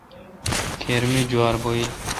کھیر می جوار بھویل۔